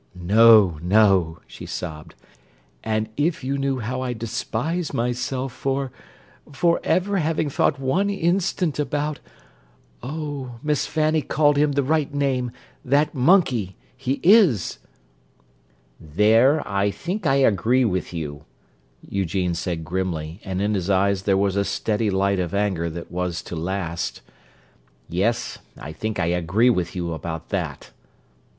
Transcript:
"No, no!" she sobbed. "And if you knew how I despise myself for—for ever having thought one instant about—oh, Miss Fanny called him the right name: that monkey! He is!" "There, I think I agree with you," Eugene said grimly, and in his eyes there was a steady light of anger that was to last. "Yes, I think I agree with you about that!"